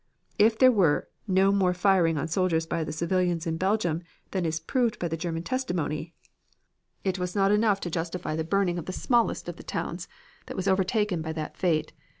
If there were no more firing on soldiers by civilians in Belgium than is proved by the German testimony, it was not enough to justify the burning of the smallest of the towns that was overtaken by that fate.